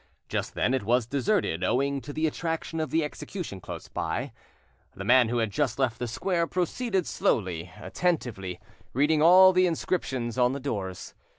Just then it was deserted, owing to the attraction of the execution close by. The man who had just left the square proceeded slowly, attentively reading all the inscriptions on the doors.